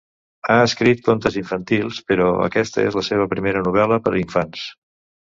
Ha escrit contes infantils, però aquesta és la seva primera novel·la per a infants.